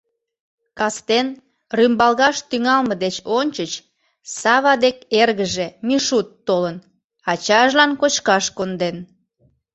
Кастен, рӱмбалгаш тӱҥалме деч ончыч, Сава дек эргыже, Мишут, толын, ачажлан кочкаш конден.